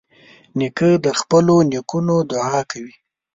نیکه د خپلو نیکونو دعا کوي.